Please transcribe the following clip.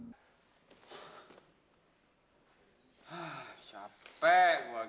lalu saya mau berkelakuan